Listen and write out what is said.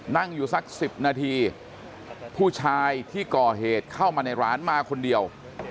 นั่งอยู่สัก๑๐นาทีผู้ชายที่ก่อเหตุเข้ามาในร้านมาคนเดียว